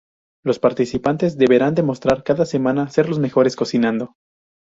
Los participantes deberán demostrar cada semana ser los mejores cocinando.